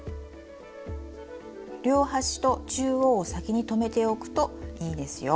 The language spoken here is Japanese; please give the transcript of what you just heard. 両端と中央を先に留めておくといいですよ。